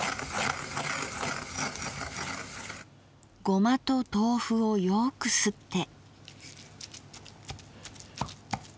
ゴマと豆腐をよくすって。